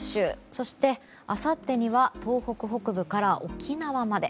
そして、あさってには東北北部から沖縄まで。